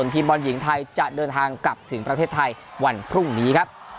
ทีมบอลหญิงไทยจะเดินทางกลับถึงประเทศไทยวันพรุ่งนี้ครับ